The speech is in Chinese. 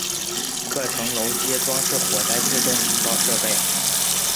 各层楼皆装设火灾自动警报设备。